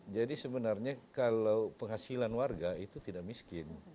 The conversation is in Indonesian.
jadi sebenarnya kalau penghasilan warga itu tidak miskin